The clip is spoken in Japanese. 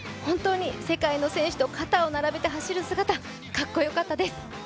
世界の選手と肩を並べて走る姿、本当にかっこよかったです。